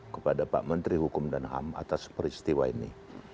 kepada pak menteri hukum dan ham atas peristiwa ini